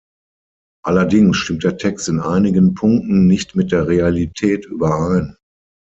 Allerdings stimmt der Text in einigen Punkten nicht mit der Realität überein.